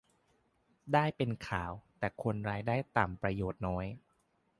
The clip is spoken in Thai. ได้เป็นข่าว แต่คนรายได้ต่ำได้ประโยชน์น้อย